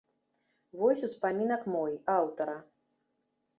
Вось успамінак мой, аўтара.